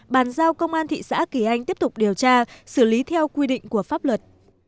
bàn giao công an thị xã kỳ anh tiếp tục điều tra xử lý theo quy định của pháp luật